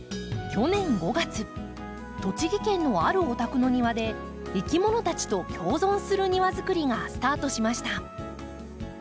去年５月栃木県のあるお宅の庭でいきものたちと共存する庭づくりがスタートしました。